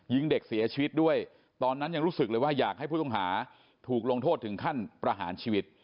ยิงเด็กเสียชีวิตด้วยตอนนั้นยังรู้สึกเลยว่าอยากให้ผู้ต้องหาถูกลงโทษถึงขั้นประหารชีวิต